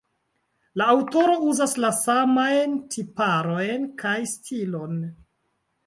La aŭtoro uzas la samajn tiparojn kaj stilon.